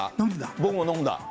僕も飲んだ。